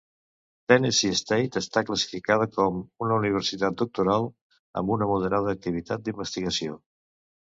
Tennessee State està classificada com una Universitat Doctoral amb una moderada activitat d'investigació.